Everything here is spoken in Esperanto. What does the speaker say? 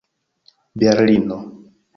berlino